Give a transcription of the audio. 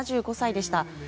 ７５歳でした。